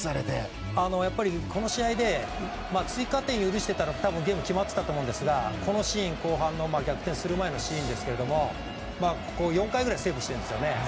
この試合で追加点を許してたらゲームは決まってたと思うんですが後半の逆転する前のシーンですが４回ぐらいセーブしてるんですよ。